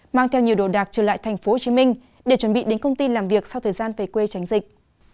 mang theo nhiều đồ đạc trở lại tp hcm để chuẩn bị đến công ty làm việc sau thời gian về quê tránh dịch